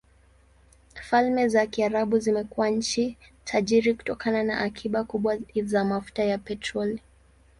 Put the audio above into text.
Falme za Kiarabu zimekuwa nchi tajiri kutokana na akiba kubwa za mafuta ya petroli.